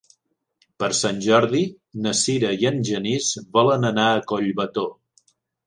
Per Sant Jordi na Sira i en Genís volen anar a Collbató.